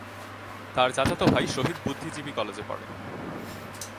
তার চাচাতো ভাই শহীদ বুদ্ধিজীবী কলেজে পড়ে।